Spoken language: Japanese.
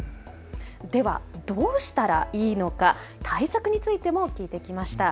では、どうしたらいいのか、対策についても聞いてきました。